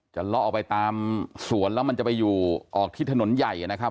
เลาะออกไปตามสวนแล้วมันจะไปอยู่ออกที่ถนนใหญ่นะครับ